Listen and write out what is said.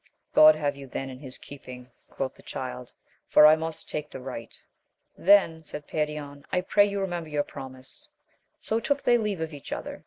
God have you then in his keeping, quoth the Child, for I must take the right. Then said Perion, I pray you remember your promise. So took they leave of each other.